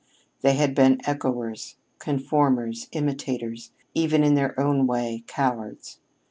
They had been echoers, conformers, imitators; even, in their own way, cowards.